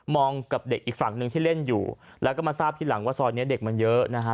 กับเด็กอีกฝั่งหนึ่งที่เล่นอยู่แล้วก็มาทราบทีหลังว่าซอยนี้เด็กมันเยอะนะฮะ